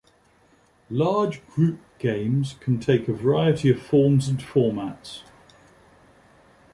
Large group games can take a variety of forms and formats.